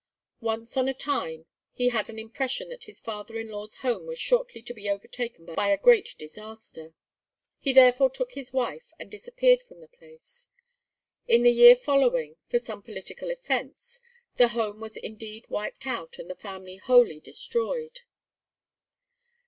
Once on a time he had an impression that his father in law's home was shortly to be overtaken by a great disaster; he therefore took his wife and disappeared from the place. In the year following, for some political offence, the home was indeed wiped out and the family wholly destroyed.